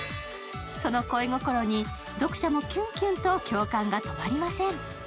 その恋心に読者もキュンキュンと共感が止まりません。